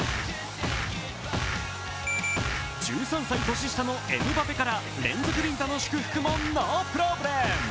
１３歳年下のエムバペから連続ビンタの祝福もノープロブレム！